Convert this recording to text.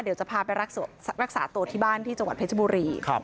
เดี๋ยวจะพาไปรักษาตัวที่บ้านที่จังหวัดเพชรบุรี